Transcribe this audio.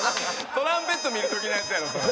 トランペット見る時のやつやろそれ。